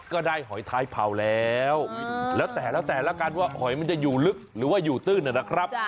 หอยท้ายเผาแล้วแล้วแต่แล้วแต่ละกันว่าหอยมันจะอยู่ลึกหรือว่าอยู่ตื้นนะครับ